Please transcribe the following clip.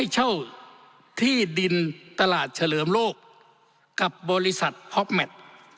เช่าที่ดินตลาดเฉลิมโลกกับบริษัทพ็อกแมท